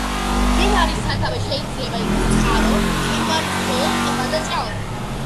მდინარის სათავე შეიძლება იყოს წყარო, მყინვარის ბოლო, ტბა, ჭაობი.